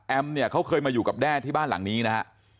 เนี่ยเขาเคยมาอยู่กับแด้ที่บ้านหลังนี้นะฮะ